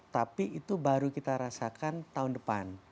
tapi itu baru kita rasakan tahun depan